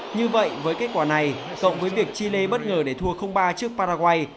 như vậy với kết quả này cộng với việc chile bất ngờ để thua ba trước paraguay